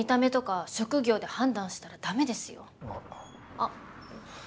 あっ。